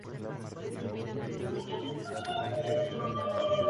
Su jefe llama a las autoridades y lo escoltan afuera.